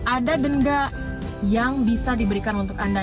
ada denda yang bisa diberikan untuk anda